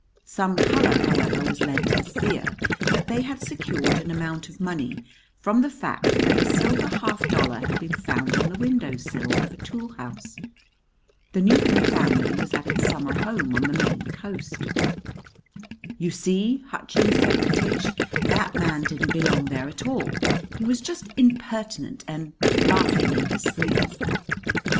Some color, however, was lent to the fear that they had secured an amount of money, from the fact that a silver half dollar had been found on the window sill of a tool house. The Newcomb family was at its summer home on the Maine coast. "You see," Hutchins said to Tish, "that man didn't belong there at all. He was just impertinent and laughing in his sleeve."